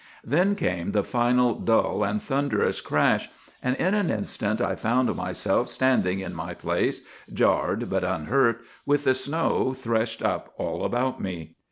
Then came the final dull and thunderous crash, and in an instant I found myself standing in my place, jarred but unhurt, with the snow threshed up all about me.